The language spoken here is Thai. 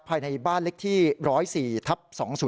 ภายในบ้านเล็กที่๑๐๔ทับ๒๐